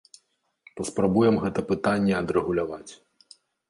Паспрабуем гэта пытанне адрэгуляваць.